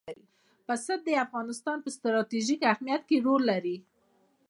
پسه د افغانستان په ستراتیژیک اهمیت کې رول لري.